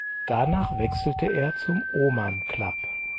Danach wechselte er zum Oman Club.